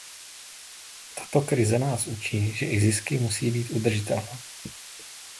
Tato krize nás učí, že i zisky musí být udržitelné.